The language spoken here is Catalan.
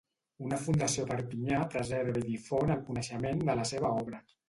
Una fundació a Perpinyà preserva i difon el coneixement de la seva obra.